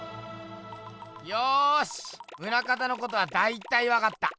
よし棟方のことはだいたいわかった。